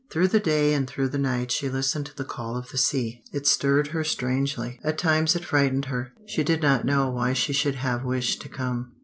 Through the day and through the night she listened to the call of the sea. It stirred her strangely. At times it frightened her. She did not know why she should have wished to come.